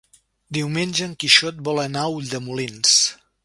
Diumenge en Quixot vol anar a Ulldemolins.